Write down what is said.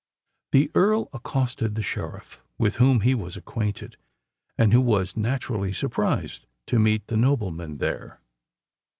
The Earl accosted the Sheriff, with whom he was acquainted, and who was naturally surprised to meet the nobleman there.